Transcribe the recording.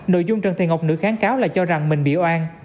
nội dung trần thị ngọc nữ kháng cáo là cho rằng mình bị oan